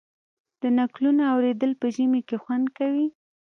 د نکلونو اوریدل په ژمي کې خوند کوي.